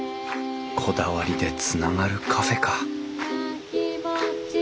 こだわりでつながるカフェか。